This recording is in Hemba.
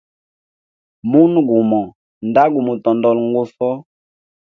Munwe gumo nda gu mutondola nguso.